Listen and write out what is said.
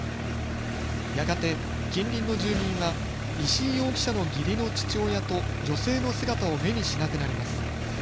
やがて近隣の住民は石井容疑者の義理の父親と女性の姿を目にしなくなります。